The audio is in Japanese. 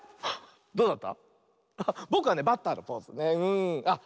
どうだった？